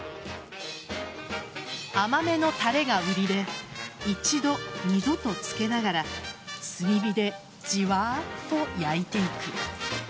甘めのタレが売りで一度、二度と漬けながら炭火でじわっと焼いていく。